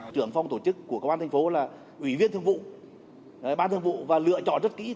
trưởng phòng tổ chức của công an thành phố là ủy viên thương vụ ban thương vụ và lựa chọn rất kỹ